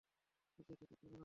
কিসের সাথে কী মেলালো!